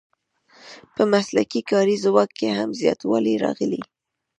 په مسلکي کاري ځواک کې هم زیاتوالی راغلی.